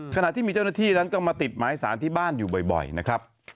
ขณะที่มีเจ้าหน้าที่นั้นก็มาติดหมายสารที่บ้านอยู่บ่อยนะครับ